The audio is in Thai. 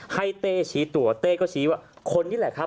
เต้ชี้ตัวเต้ก็ชี้ว่าคนนี้แหละครับ